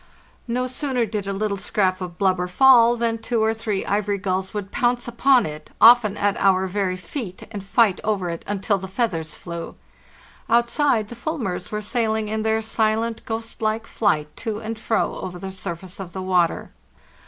No sooner did a little scrap of blubber fall than two or three ivory gulls would pounce upon it, often at our very feet, and fight over it until the feathers flew. Outside the fulmars were sailing in their silent, ghost like flight to and fro over the surface of the water.